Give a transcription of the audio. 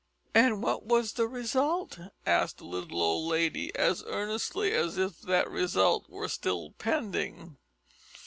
"And what was the result?" asked the little old lady as earnestly as if that result were still pending.